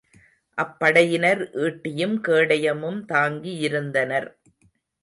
அப்படையினர் ஈட்டியும் கேடயமும் தாங்கியிருந்தனர்.